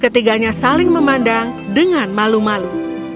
ketiganya saling memandang dengan malu malu